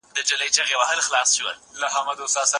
که ماشوم وهڅول سي نو کتاب سره مينه کوي.